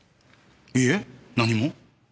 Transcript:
いいえ何も。